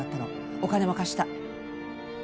お金も貸した。